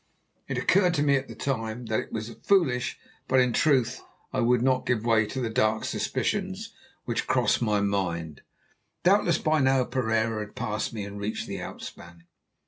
It occurred to me at the time that it was foolish, but, in truth, I would not give way to the dark suspicions which crossed my mind. Doubtless by now Pereira had passed me and reached the outspan.